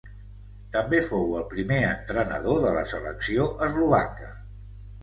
També fou el primer entrenador de la selecció eslovaca.